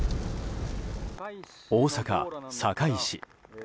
大阪・堺市。